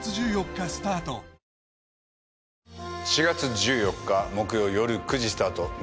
４月１４日木曜よる９時スタート